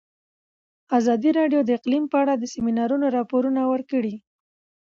ازادي راډیو د اقلیم په اړه د سیمینارونو راپورونه ورکړي.